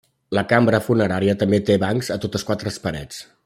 La cambra funerària també té bancs a totes quatre parets.